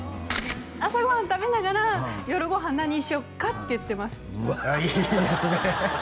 朝ごはん食べながら「夜ごはん何にしよっか」って言ってますいいですね